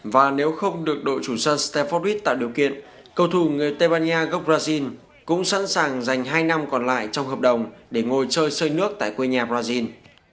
và nếu không được đội chủ sơn stép forbrid tạo điều kiện cầu thủ người tây ban nha gốc brazil cũng sẵn sàng dành hai năm còn lại trong hợp đồng để ngồi chơi nước tại quê nhà brazil